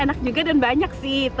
enak juga dan banyak